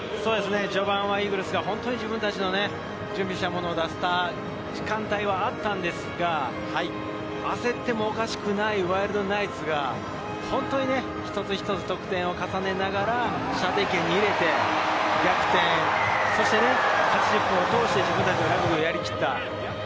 序盤はイーグルスが自分たちの準備したものを出せた時間帯はあったんですが、焦ってもおかしくないワイルドナイツが、一つ一つ得点を重ねながら、射程圏に入れて、逆転、そして８０分を通して自分たちのラグビーをやりきった。